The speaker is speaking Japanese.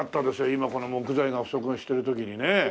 今この木材が不足してる時にね。